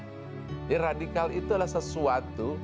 jadi radikal itu adalah sesuatu